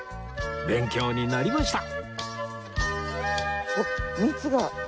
勉強になりました